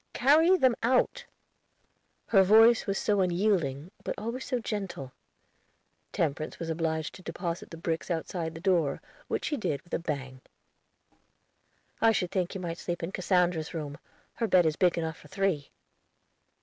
"Carry them out." Her voice was so unyielding, but always so gentle! Temperance was obliged to deposit the bricks outside the door, which she did with a bang. "I should think you might sleep in Cassandra's room; her bed is big enough for three."